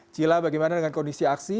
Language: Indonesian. cila bagaimana dengan kondisi aksi